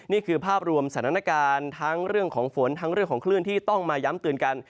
นี่คือภาพรวมสถานการณ์ทั้งเรื่องของฝนทั้งเรื่องของคลื่นที่ต้องมาย้ำเตือนกัน